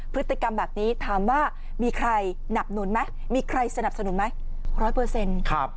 พฤติกรรมแบบนี้ถามว่ามีใครหนับหนุนไหมมีใครสนับสนุนไหมร้อยเปอร์เซ็นต์